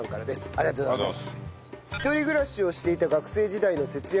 ありがとうございます。